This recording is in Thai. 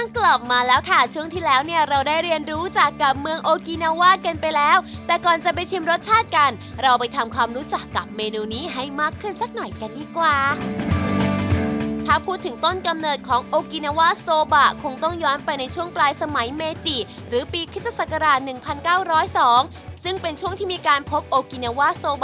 กลับมาแล้วค่ะช่วงที่แล้วเนี่ยเราได้เรียนรู้จากกับเมืองโอกินาวาสกันไปแล้วแต่ก่อนจะไปชิมรสชาติกันเราไปทำความรู้จักกับเมนูนี้ให้มากขึ้นสักหน่อยกันดีกว่าถ้าพูดถึงต้นกำเนิดของโอกินาวาโซบะคงต้องย้อนไปในช่วงปลายสมัยเมจิหรือปีคริสตศักราช๑๙๐๒ซึ่งเป็นช่วงที่มีการพบโอกิน